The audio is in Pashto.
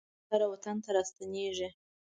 کوتره وطن ته راستنېږي.